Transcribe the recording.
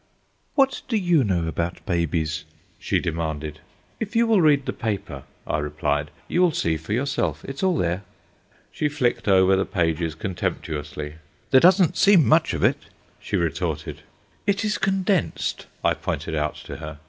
"What do you know about babies?" she demanded. "If you will read the paper," I replied, "you will see for yourself. It's all there." She flicked over the pages contemptuously. "There doesn't seem much of it?" she retorted. "It is condensed," I pointed out to her.